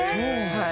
はい。